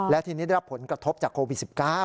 และทีนี้ได้รับผลกระทบจากโควิด๑๙